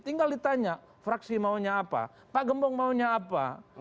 tinggal ditanya fraksi maunya apa pak gembong maunya apa